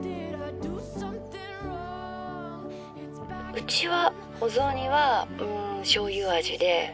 「うちはお雑煮はうん醤油味で」。